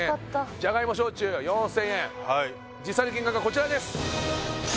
じゃがいも焼酎は４０００円はい実際の金額はこちらです